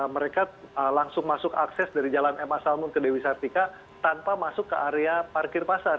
mereka langsung masuk akses dari jalan ma salmun ke dewi sartika tanpa masuk ke area parkir pasar